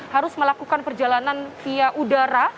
harus melakukan perjalanan via udara